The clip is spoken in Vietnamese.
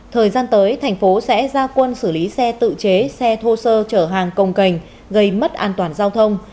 thời gian tới thành phố sẽ ra quân xử lý xe tự chế xe thô sơ chở hàng công cành gây mất an toàn giao thông